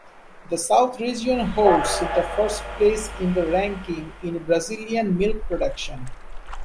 The South region holds the first place in the ranking in Brazilian milk production.